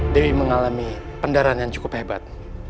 dewi mengalami pendarahan yang cukup hebat